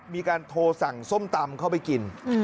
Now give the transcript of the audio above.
มีการโทรสั่งส้มตำเข้าไปกิน